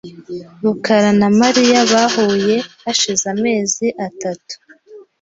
rukara na Mariya bahuye hashize amezi atatu .